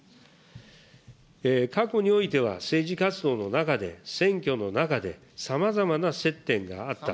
過去においては、政治活動の中で、選挙の中で、さまざまな接点があった。